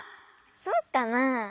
そうかなあ？